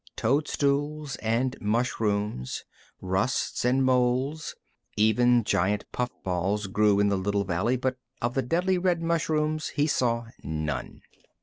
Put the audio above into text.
Toadstools and mushrooms, rusts and molds, even giant puff balls grew in the little valley, but of the deadly red mushrooms he saw none.